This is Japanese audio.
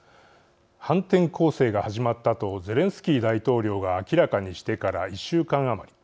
反転攻勢が始まったとゼレンスキー大統領が明らかにしてから１週間余り。